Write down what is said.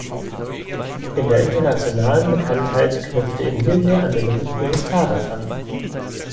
In der internationalen Bekanntheit knüpfte Emilie an den Ruf ihres Vaters an.